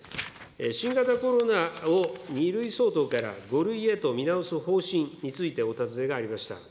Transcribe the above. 新型コロナを２類相当から５類へと見直す方針についてお尋ねがありました。